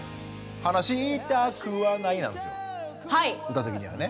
歌的にはね。